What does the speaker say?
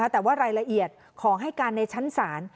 แต่ว่ารายละเอียดขอให้การในชั้นศาล